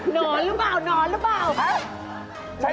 นอนหรือเปล่านอนหรือเปล่า